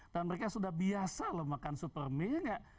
dan mereka sudah biasa makan super mie